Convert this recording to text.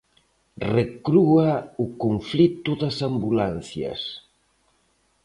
Recrúa o conflito das ambulancias.